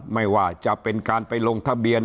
ไม่ว่าจะเป็นการไปลงทะเบียน